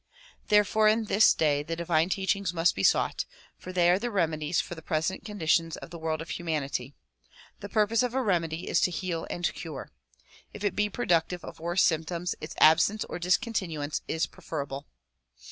Therefore in this day the divine teachings must be sought, for they are the remedies for the present conditions of the world of humanity. The purpose of a remedy is to heal and cure. If it be productive of worse symptoms its absence or discontinuance is preferable.